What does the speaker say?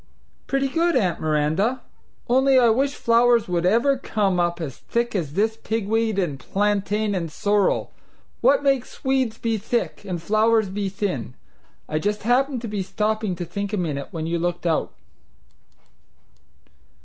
"Pretty good, Aunt Miranda; only I wish flowers would ever come up as thick as this pigweed and plantain and sorrel. What MAKES weeds be thick and flowers be thin? I just happened to be stopping to think a minute when you looked out."